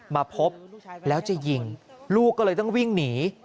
มาพบแล้วจะยิงลูกก็เลยต้องวิ่งหนี